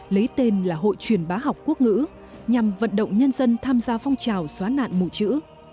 lấy tên là hội truyền bá học quốc ngữ nhằm vận động nhân dân tham gia phong trào xóa nạn mù chữ